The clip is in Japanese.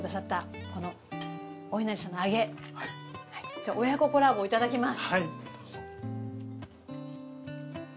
じゃ親子コラボをいただきます。